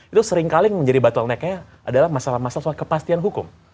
itu seringkali menjadi bottleneck nya adalah masalah masalah soal kepastian hukum